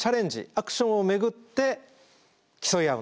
アクションを巡って競い合うんです。